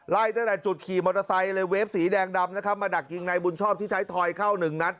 ไล่ตั้งแต่จุดขี่มอเตอร์ไซค์เลยเวฟสีแดงดำนะครับมาดักยิงนายบุญชอบที่ไทยทอยเข้าหนึ่งนัด